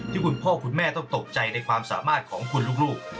คุณพ่อคุณแม่ต้องตกใจในความสามารถของคุณลูก